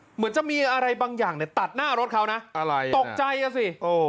เหมือนจะมีอะไรบางอย่างเนี่ยตัดหน้ารถเขานะอะไรตกใจอ่ะสิ